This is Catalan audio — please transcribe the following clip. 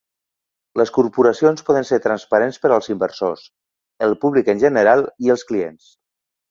Les corporacions poden ser transparents per als inversors, el públic en general i els clients.